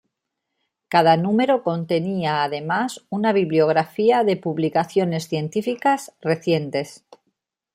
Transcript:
Cada número contenía además una bibliografía de publicaciones científicas recientes.